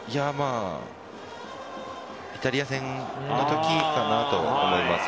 イタリア戦の時かなと思います。